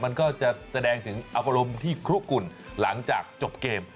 มันก็จะแสดงถึงอบรมที่คลุกกุ่นหลังจากจบเกม